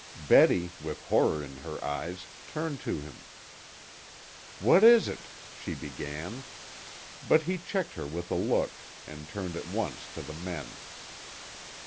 Betty, with horror in her eyes, turned to him. "What is it?" she began. But he checked her with a look, and turned at once to the men.